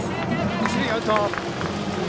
一塁、アウト。